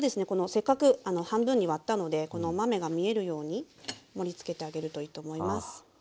せっかく半分に割ったのでこのお豆が見えるように盛りつけてあげるといいと思います。